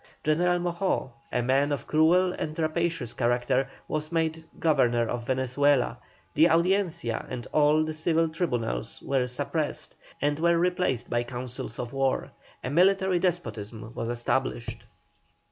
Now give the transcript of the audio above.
General Moxó, a man of cruel and rapacious character, was made Governor of Venezuela; the Audiencia and all the civil tribunals were suppressed, and were replaced by councils of war. A military despotism was established.